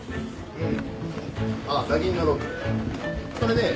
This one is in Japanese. うん。